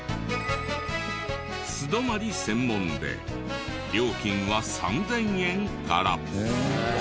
素泊まり専門で料金は３０００円から。